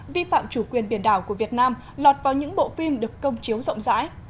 vi phạm chủ quyền biển đảo của việt nam lọt vào những bộ phim được công chiếu rộng rãi